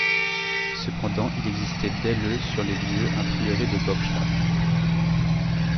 Cependant, il existait dès le sur les lieux un prieuré de Bockstadt.